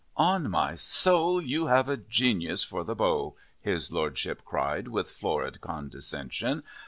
"On my soul, you have a genius for the bow," his Lordship cried with florid condescension.